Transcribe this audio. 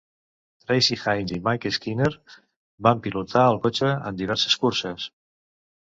Tracy Hines i Mike Skinner van pilotar el cotxe en diverses curses.